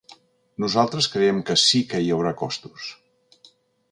Nosaltres creiem que sí que hi hauria costos.